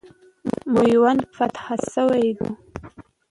میوند فتح سوی وو.